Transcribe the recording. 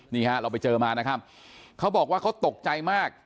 นี่ฮะเราไปเจอมานะครับเขาบอกว่าเขาตกใจมาก